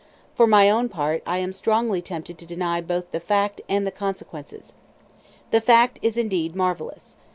For my own part, I am strongly tempted to deny both the fact and the consequences. 1161 The fact is indeed marvellous.